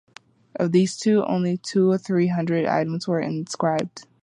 Of these, only two or three hundred items were inscribed.